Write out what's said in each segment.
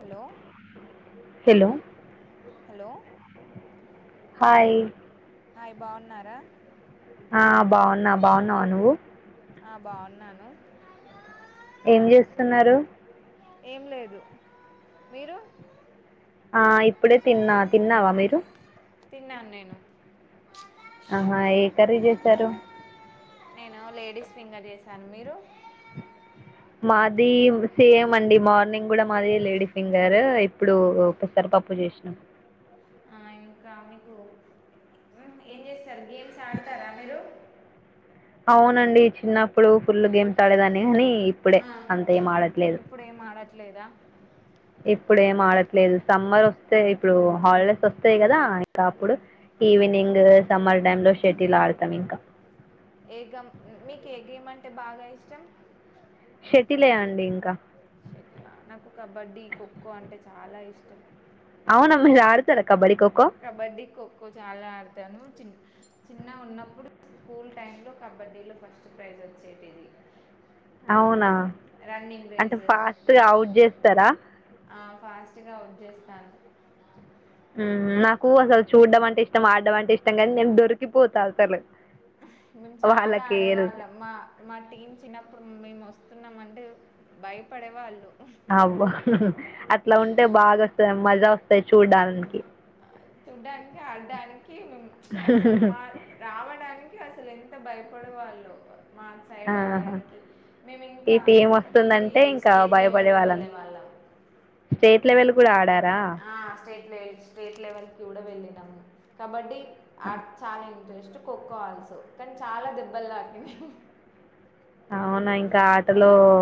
Hello hello hello hi hi బాగున్నారా ఆ బాగున్నా బాగున్నావా నువ్వు ఆ బాగున్నాను ఏం చేస్తున్నారు ఏం లేదు మీరు ఆ ఇప్పుడే తిన్నా తిన్నావా మీరు తిన్నాన్ నేను అహా ఏ కర్రీ చేస్ సరు నేనూ లేడీస్ ఫింగర్ చేశాను మీరు మాదీ సేమ్ అండి మార్నింగ్ గుడా మాది లేడీ ఫింగరూ ఇప్పుడూ ఒక్కసారి పప్పు చేశ్నం ఆ ఇంకా మీకు ఊ ఏం చేస్ సరే గేమ్స్ ఆడతారా మీరు అవునండి చిన్నప్పుడు ఫుల్లు గేమ్స్ ఆడేదాన్ని అనీ ఇప్పుడే ఆ అంతేం ఆడట్లేదు ఇప్పుడు ఏం ఆడట్లేదా ఇప్పుడు ఏం ఆడట్లేదు సమ్మర్ వస్తే ఇప్పుడు హాలిడేస్ వస్తాయి కదా ఇంకా అప్పుడు ఈవినింగ్ సమ్మర్ టైమ్ లో షెడ్యూల్ ఆడతాం ఇంకా ఏ గమ్ మీకు ఏ గేమ్ అంటే బాగా ఇష్టం షటిలే అండి ఇంకా షెట్లా నాకు కబడ్డీ ఖోఖో అంటే చాలా ఇష్టం అవును [unintelligible] కబడ్డీ ఖోఖో చాలా ఆడతాను చిన్ చిన్న ఉన్నప్పుడు స్కూల్ టైమ్ లో కబడ్డీలో ఫస్ట్ ప్రైజ్ వచ్చేటిది అవునా రన్నింగ్ అంటే రేస్ ఫాస్ట్ గా అవుట్ చేస్తారా టిగా ఔట్ జేస్తాను ఊ నాకు అసల్ చూడ్డం అంటే ఇష్టం, ఆడ్డం అంటే ఇష్టం గానీ నేను దొరికిపోతా అసలు. మేం చాలా వాళ్ళకి వెళ్తే ఆడేవాళ్ళం మా మా టీం చిన్నప్పుడు మేము వస్ వస్తున్నం అంటే భయపడేవాళ్ళు అబ్బా అట్లా ఉంటే బాగా వస్త మజా వస్తాయ్ చూడ్డానికి చూడ్డానికి ఆడ్డానికి మేం అసలు మా రావడాని కి అసలు ఎంత భయపడే వాళ్ళో మా సైడ్ ఆహా. రావడానికి మేము ఇంకా ఇటు ఏం ఏంటీ వస్తుందంటే ఇంకా స్టేట్ భయపడే లెవెల్లో వాళ్ళని వెళ్ళే వాళ్ళం కూడ ఆడార్ ఆ స్టేట్ లే స్టేట్ లెవెల్ కూడ వెళ్ళే ళ్లం కబడ్డీ అర్ ఛానే జస్ట్ కోక్కో ఆల్సో కానీ చాలా దెబ్బలుకిడి అవునాయి కబడ్డీ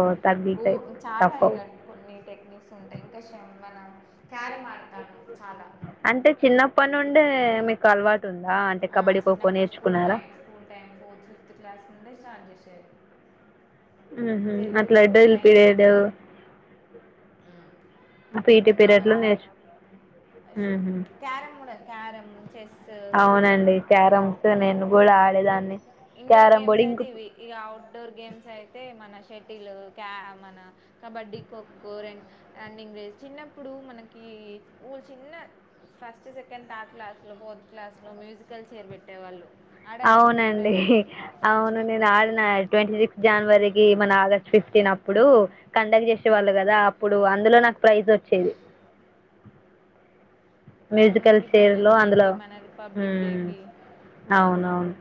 గో చాలా ఇట్ తప్పవు కొన్ని టెక్నిక్స్ ఉంటాయి ఇంకా మనం క్యార మాడతను అంటే చిన్నప్పటి నుండి మీకు అలవా ఆ చిన్నప్పుడు స్కూల్రై school time fourth fifth class నుండే స్టార్ట్ చేస్తారు ఆహ టెన్త్లో అట్లాడో నైన్త్ వెలిపియేడు అప్పు ఇటి కబడ్డీ పీరియడ్ మన లో నేర్చు అడ క్యరమ్ అవునండి క్యారం ఇ నేన్నను కూడా ఆడేదాన్ని ఇండోర్ క్యారమ్ గేమ్స్ బోర్డ్ ఇంక అయితే ఇవి ఇక అఔట్ డోర్ గేమ్స్ అయితే మన చెటిలు క్యా మన కబడ్డీ ఖోఖో రెం రన్నింగ్ రేస్ చిన్నప్పుడు మనకి ఊళు చిన్న ఫస్ట్ సెకండ్ థర్డ్ క్లాస్లో ఫోర్త్ క్లాస్లో మ్యూజికల్ చేర్ పెట్టేవాళ్ళు ఆడ ఆరమిక అవునండి అవును నేను ఆడినా ట్వంటీ సిక్స్ జనవరికి, మన ఆగస్ట్ ఫిఫ్టీన్ అప్పుడు కండక్ట్ చేసే వాళ్ళు కదా, అప్పుడు అందులో నాకు ప్రైజ్ వచ్చేది. అవును మ్యూజికల్ చైర్ లో ఇండిపెండెన్స్ డేకి అందులో మన రిపబ్లిక్ హ్మ్మ్ డేకి అవునవును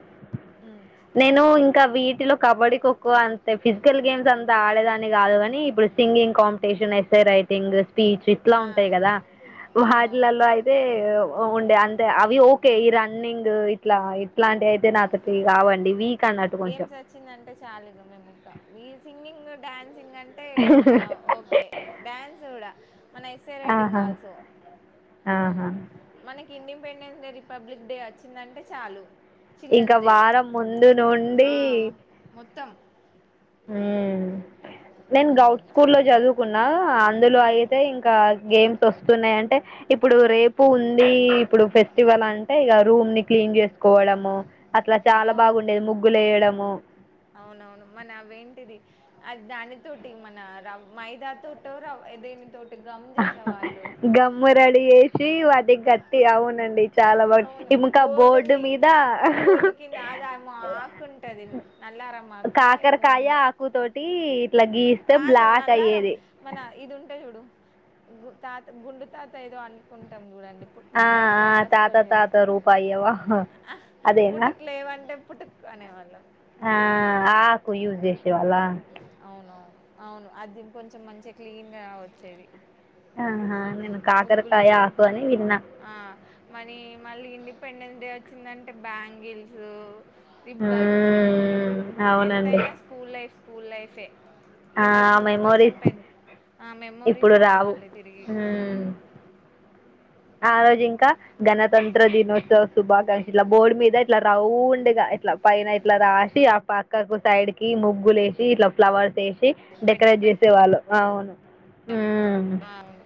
ఉమ్. నేను ఇంకా వీటిలో కబడ్డీ, ఖోఖో అంతే ఫిజికల్ గేమ్స్ అంతా ఆడేదాన్ని కాదు కాని, ఇప్పుడు singing competition SI writing. Speech ఇట్లా ఆ ఉంటాయి కదా వా అవునవును ఇళ్లలో అయితే ఉండే అంతే అవి ఓకే ఈ రన్నింగ్ ఇట్లా ఇట్లాంటి ఐత్ గేమ్స్ వచ్చిందంటే చాలు ఇంగ మేము ఇంకా ఈ సింగింగ్ డాన్ సింగ్ అంటే ఓకే డ్యాన్స్ గూడా ఆహా ఆహా మనకి ఇండిపెండెన్స్ డే, రిపబ్లిక్ డే వచ్చిందంటే చాలు. ఇంక చిల్డ్రన్స్ డే వారం ముందు నుండి ఆ మొత్తం మ్ నేను ఉమ్ గౌట్స్ చ స్కూల్ లో చదువుకున్నా అందులో ఆ అయితే ఇంకా గేమ్స్ వస్తున్నాయి అంటే ఇప్పుడు రేపు ఉంది ఇప్పుడు ఫెస్టివల్ అంటే ఇగా రూమ్ ని క్లీన్ చేసుకోవడము అట్లా చాలా అవును బాగుండేది ముగ్గులు వేయడం మ్ అవునవును మన అవేంటిది అది దాని తోటి మన మైదా తోటో రవ్వ దేని తోటి గమ్ చేసేవాళ్ళు గమ్ము రెడీ చేస్ సి అది గట్టి అవునండి చాలా బాగుంది అవును ఇంకా బోర్డు క్లి మీద బోర్డు కింద అదెమో ఆకుంటది నల్లారమాకా ఏమో కాకరకాయ ఉండే ఆకుతోటి ఇట్లా గీస్తే కాదు బ్లాక్ నల్లారం అయ్యేది మన ఇది ఉంటది చూడు తాత గుండు తాత ఏదో అనుకుంటాం చూడండి పు ఆ దాని ఆ ఫ్లవర్స్ తాత తోటి చేత్- తాత రూపాయి ఇయ్యవా ఆహ్, అదేనా పుటుక్ లేవంటే పుటుక్ అనేవాళ్ళం ఆ ఆ ఆకు యూస్ చేసే వాళ్ళ అవునవును అవును అది కొంచెం మంచిగా క్లీన్ గా వచ్చేది ఆహా నేను కాకరకాయ ఆకు అని విన్నా మనీ మళ్ళీ ఇండిపెండెన్స్ డే వచ్చిందంటే బ్యాంగిల్సు రిబ్బన్స్ మ్మ్ అవునండి ఎంతయినా స్కూల్ లైఫ్ స్కూల్ లైఫ్ ఏ ఈ ఆ మనం కొంచెం మెమోరీస్ పెద్ద ఆ మెమోరీస్ రావు మళ్ళీ తిరిగి మ్మ్ ఆ రోజు ఇంకా గణతంత్ర దినోత్సవ శుభాకాంక్షలు ఆ బోర్డు మీద ఇట్లా రౌండ్ గా ఇట్లా పైన ఇట్లా రాసి ఆ పక్కకు సైడ్ కి ముగ్గులు వేసి ఇట్లా ఫ్లవర్స్ వేసి సి డెకరేట్ చేసే వాళ్ళు అవును మ్మ్ ఆ అవును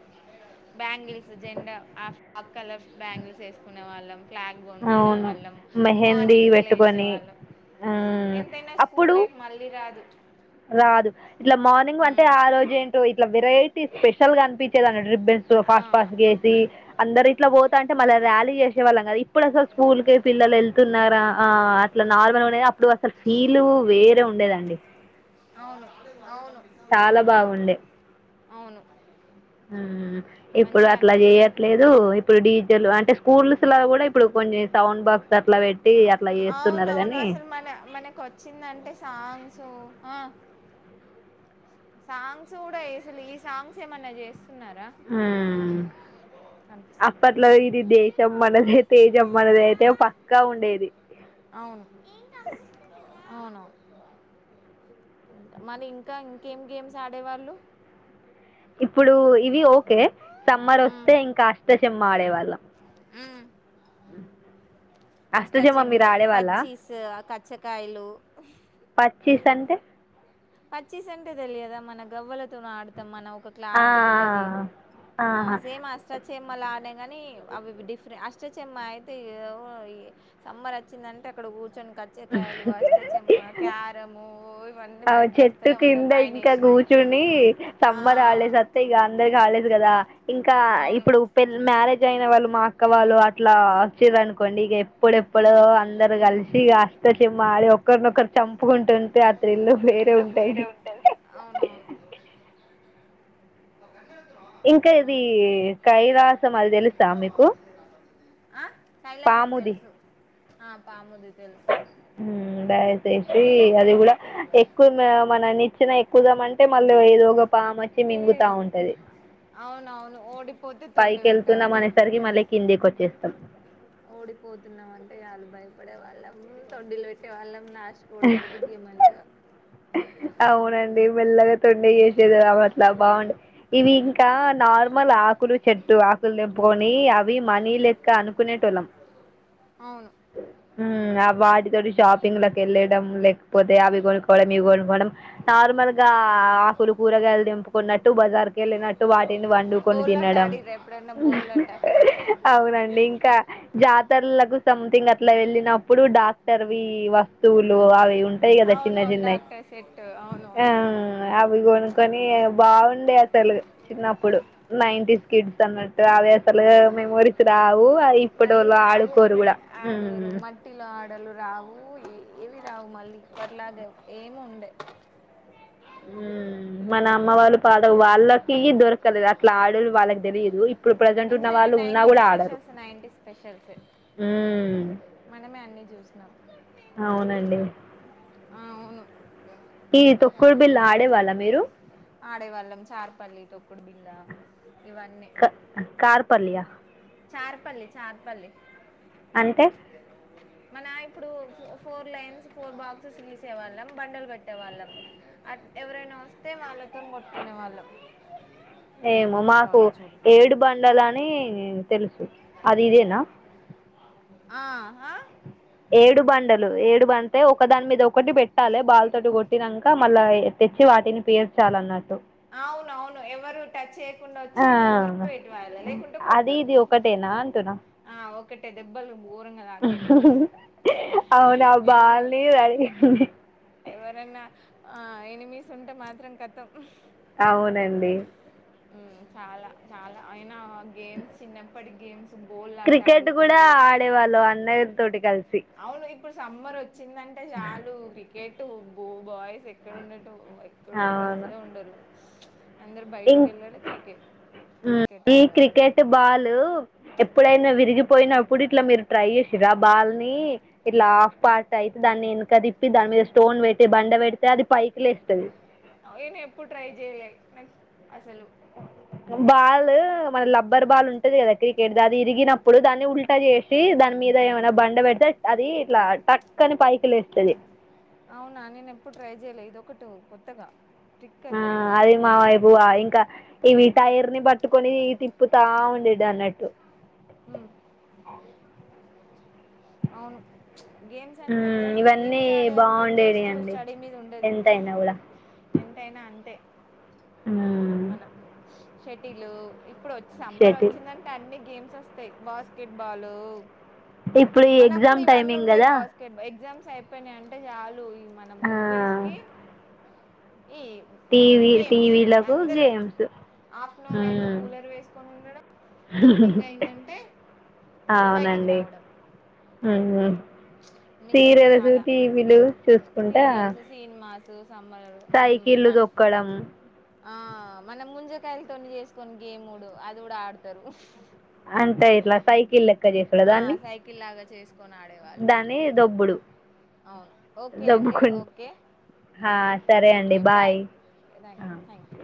బ్యాంగిల్స్ జెండా ఆ ఫ్లాగ్ కలర్ బ్యాంగిల్స్ వేసుకునే వాళ్ళం ఫ్లాగ్ కొనుకునే అవును వాళ్ళం మెహందీ మార్నింగ్ లేచే పెట్టుకొని వాళ్ళం మ్మ్ ఎంతైనా స్కూల్ అప్పుడు లైఫ్ మళ్ళీ రాదు రాదు ఇట్లా మార్నింగ్ అంటే ఉమ్, ఆ రోజు ఏంటో ఇట్లా వెరైటీ స్పెషల్ గా అనిపించేది అన్నటు రిబ్బన్స్ ఆ, ఫాస్ట్ ఫాస్ట్ గా యేసి అందరి ఇట్లా పోతా అంటే మళ్ళా ర్యాలీ చేసేవాళ్ళం కదా ఇప్పుడు అసలు స్కూల్ కే పిల్లలు వెళ్తున్నారా ఆ అట్లా నార్మల్ ఉండది అప్పుడు అసలు ఫీల్ వేరే ఉండేదండి అవును అవును చాలా బాగుండే అవును మ్ ఇప్పుడు మంచిగా అట్లా అనిపించేది చేయట్లేదు ఇప్పుడు అంటే స్కూల్స్ లా కూడా ప్పుడు కోన్ని సౌండ్ బాక్స్ అట్లా పెట్టి ఆ- అట్లా చేస్తున్నారు అవునవును కాని అసలు మన ఆ సాంగ్స్ కూడా ఎసలు ఈ సాంగ్స్ ఏమన్నా చేస్ ఉమ్ అనిపిస్తుంది అప్పట్లో ఇది దేశం మానదే తేజం మానదే అంటె పక్కా ఉండేది అవును అవును మళ ఇంకా ఇంకేం గేమ్స్ ఆడేవాళ్ళు ఇప్పుడు ఇవి ఓకే సమ్మర్ మ్మ్ వస్తే ఇంకా అష్టషమ్మ ఆడేవాళ్ళం అ అష్టా చెమ్మ పచ్చీస్ కచ్చకాయలు పచ్చిస్ అంటే పచ్చిస్ సంటే తెలియదా మన గవ్వలతో ఆడుతాం మన ఒక ఒక ఆ, క్లాత్ ఉంటది ఆ ఆహా. సేమ్ అష్ట చమ్న కానీ అవి డిఫరెంట్ అష్ట చెమ్మ అయితే సమ్మర్ వచ్చిందంటే అక్కడ కూర్చొని కచ్చకాయలు అష్టచమ్మ క్యారము ఇవన్నీ బయట్ చట్టు కింద ఇంకా కూర్చుని ఆ సమ్మర్ హలిడేయ్స్ అస్తే ఇక అందరి కాలేజ్ కి ా ఇంకా అవును ఇప్పుడు పె మ్యారేజ్ చయినా వాళు మా అక్క వాళ్ళు అవును అట్లా చ్చరి అనుకోండి ఇగా ఇప్పుడెప్పుడు మ్మ్ అందరు మ్మ్ కలిసి మాడ ఒకక్కర్ నొ ఒక చంపుకుంటుటె ఆ త్రిల్లో వేరే ఉంటది అవునవును ఇంకా ఇది అవును కైలాసం అది తెలుసా మీకు ఆ కైలాసం తెలుసు ఆ పాముది తెలుసు ఉమ్ బా చ్చేసి అది కూడా ఎక్కువ మన నీచ్చిన కుదాం అంటే మళ్ళీ ఏదో ఒక పాము వచ్చి ఏ మింగుతా లేదు ఉంటది అవున అవును ఓడిపోతే తొంండ పైకి వెళ్తున్నాం పెట్టేవాళ్ళం అనేసరికి మళ్ళీ కిందికి వచ్చేస్తాం ఓడిపోతున్నామంటే చాలు బాయ ఇప్పుడ వళ్ళం తొండల్ వెట్టే వాళ్ల్ళం లాస్ట్ కి ఓడిపోతె గౌమె ఆంతా ఆ అవునండి మెల్లగా ండే చేసేదిరాం అట్లా బాగుే ఇవి ఇంకా నార్మల్ ఆకులు చెట్టు ఆకులు తెంపుకొని మీ అవి మనీ లెక్క అనుకునేటొలం అవును హ్మ్మ్ వాటితో షాపింగ్ లోకి వెళ్ళడం లేకపోతే అవి కొనుక్కవడం ఇవి కొనుక్కవడం నార్మల్ ఇ ఆకులు కూరగాయలు దింపుకున్నట్టు బజార్కి వెళ్ళినట్టు వాటిని వండుకొని బోల్లాట తినడం ఆడిర్రా ఎప్పుడన్నా బోల్లాట అవునండి ఇంకా జా ల సంథింగ్ అట్లా వెళ్ళినప్పుడు డాక్టర్వి వస్తువులు అవి ఉంటాయి కదా చిన్న అవునవును చిన్నవి డాక్టర్ సెట్ అవునవును అవి కొనుక్కొని బాగుండే చిన్నప్పుడు నైంటీస్ కిడ్స్ అన్నట్టు అవ అసలు మెమోరీస్ రావు ఇప్పటి మళ్ళీ వాళ్ళ రావు ఆడుకోరు కూడా ఆడరు మట్టిలో ఆడలు రావు ఏ ఏవి రావు మళ్ళీ పట్లాగే ఏమి ఉండే మన అమ్మ వాళ్ళు పాత వాళ్ళకి దొరకలేదు అట్లా ఆడలు వాళ్ళకి తెలియదు ఇప్పుడు ప్రజెంట్ ఉన్న ఎంతనే వాళ్ళు ఉన్నా నైటీ కూడా ఆడరు స్పెషల్స్ నైటీ స్పెషల్స్ మ్మ్ మనమే అన్ని చూసినాం ఆ, అవును ఈది తొక్కుడు బిల్ ఆడే వాళ్ళా మీరు తొక్కుడుబిల్ల ఇవన్ క కార్పల్లియ చార్పల్లి చార్పల్లి అంటె మన ఇప్పుడు ఫోర్ లైన్స్ ఫోర్ బాక్సెస్ గీసె వాళ్ళం బండలు పెట్టే వాళ్ళం ఎవరైన వస్తే వాళ్ళ పత్తం కొట్టుకునే వాళ్ళం ఏమో మాకు సారీ చూడు ఏడు బండలనీ తెలుసు అది ఇదేన ఆ ఆ ఏడు బండలు ఏడు బంటే ఒక దాని మీద ఒకటి పెట్టాలి బాల్ తోటి కొట్టినంక మళ్ళా తెచ్చి వాటిని పేర్చాలన్నట్టు అవును అవును ఎవరు టచ్ చేయకుండ వచ్చి తొందరగా ఆ పెట్ మల్ల లేకుంటె అది కొడతరు ఇది ఒకటేనా అంటున్నా ఆ ఒ ఒకటె దెబ్బలు గోరంగతాకేటి అవునా ఏమన్న బాల్ని అడిగింది ఎవరన్నా ఆ ఎనిమీస్ ఉంటే మాత్రం కతం అవునండి ఉ చాలా చాల అయినా గేమ్స్ సిన్నప్ పటి గేమ్స్ బోల్ ఆట క్రికెట్ కూడ ఆడుకునుడు ఆడేవాళ్ళం అందరి తోటి కలిసి అవును ఇప్పుడు సమ్మర్ వచ్చి వచ్చిందంటె చాలు క్రికెట్ టు బొ బాయిస్ ఎక్కడున్నట్టు ఎక్కడుంటరు అవును అసలే ఉండరు అందరు ఇం బయటికి వెళ్ళాలి క్రికెట్ క్రికెట్ ఈ ఆడేవాళ్ళు క్రికెట్ బాలు ఎప్పుడైన విరిగిపోయినప్పుడు ఇట్లా మీరు ట్రై చేసిర్రా ఆ బాల్ ని ఇట్లా ఆఫ్ పార్ట్ అయితే దాన్ని వెనక తిప్పి దాని మీద స్టోన్ పెట్టి బండ పెడితె అది పైకి లేస్తది. అయిన ఎప్పుడు ట్రై చేయలే నె అసలు బాల్ మరి లబ్బర్ బాల్ ఉంటది కదా క్రికెట్ ది అది ఇరిగినప్పుడు దాన్ని ఉల్టా చేసి దాని మీద ఏమైన బండ పెడితె అది ఇట్ల టక్కని పైకి లేస్తది. అవునా నేను ఎప్పుడు ట్రై చేయలె ఇదొకటు కొత్తగా ట్రిక్ ఆ అసలు అది మా వయిపువ ఇంకా ఇవి టైర్ ని పట్టుకొని ఈ తిప్పుతా ఉండేడు అన్నట్టు. ఉ అవును గేమ్స్ అంటే ఉమ్, గెస ఇవన్నీ గేమ్స్ ఆడె అంత బాగుండేవి ఇంట్రెస్ట్ అండి స్టడీ మీద ఉండది ఎంతైనా కూడా ఎంతయినా అంతే ఉమ్, మనం షటిలు ఇప్ ఇప్పుడు సమ్మర్ షటిల్ వచ్చిందంటె అన్ని గేమ్స్ గుత్తొస్తాయి బాస్కెట్ బాలు ఇప్పుడు ఈ మనప్పుడు ఎగ్జామ్ ఇవన్నీ టైమింగ్ ఉండేయి కదా బాస్కెట్ బా ఎగ్జామ్స్ అయిపోయినాయి అంటే చాలు మన ఆ మూవీస్ కి ఈ టీవీ గేమ్స్ టీవీలకు అందరు గేమ్స్ ఆఫ్టర్నూన్ అయితే ఉమ్. కూలర్ వేసుకొని ఉండడం ఈవినింగ్ అయిందంటే బయటికి అవునండి రావడం ఆ అన్ని గేమ్స్ సీరియల్స్ చాలా టీవీలు చూసుకుంటా త సమ్మర్ సైకిళ్ళు తొక్కడం ఆ మన ముజ కాయలతో చేసుకుని గేమ్ డు అది కూడా ఆడతారు అంత ఇలా సైకిల్ ఆ సైకిల్ లాగా చేస్త దాని దొబ్బుడు అవును ఓకే అండి దొబ్బుకుంట ఓకే సరే అండి ఓకే బాయ్ బాయ్ం థ్యాంక్ యూ